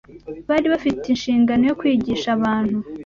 Bari bafite inshingano yo kwigisha abantu